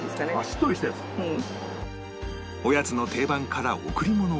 おやつの定番から贈り物まで